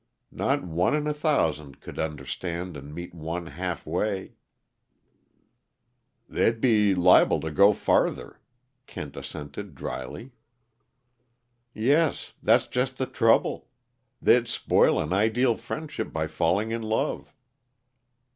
Not one in a thousand could understand and meet one half way " "They'd be liable to go farther," Kent assented dryly. "Yes. That's just the trouble. They'd spoil an ideal friendship by falling in love."